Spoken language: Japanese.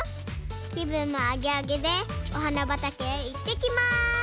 きぶんもアゲアゲでおはなばたけへいってきます。